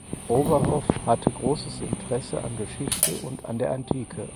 Overhoff hatte großes Interesse an Geschichte und an der Antike.